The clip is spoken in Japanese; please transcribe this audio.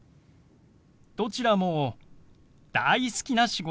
どちらも大好きな仕事です。